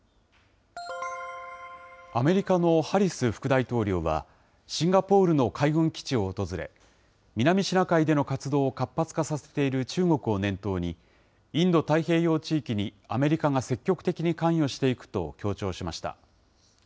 アメリカのハリス副大統領は、シンガポールの海軍基地を訪れ、南シナ海での活動を活発化させている中国を念頭に、インド太平洋地域にアメリカが積極的に関与していくと強調しました。